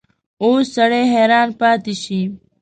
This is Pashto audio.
اوس سړی حیران پاتې شي.